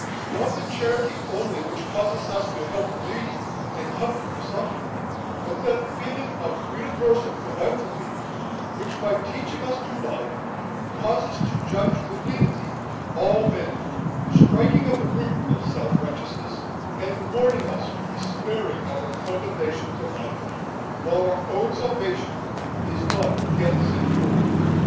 Not that charity only which causes us to help the needy and comfort the suffering, but that feeling of universal philanthropy which, by teaching us to love, causes us to judge with lenity all men; striking at the root of self righteousness, and warning us to be sparing of our condemnation of others, while our own salvation is not yet secure."